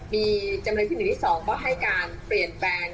มีจำเลยที่๑ที่๒ก็ให้การเปลี่ยนแปลง